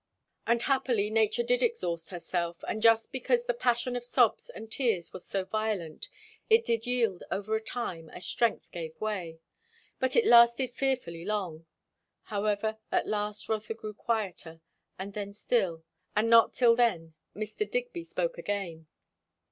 And happily, nature did exhaust herself; and just because the passion of sobs and tears was so violent, it did yield after a time, as strength gave way. But it lasted fearfully long. However, at last Rotha grew quieter, and then still; and not till then Mr. Digby spoke again.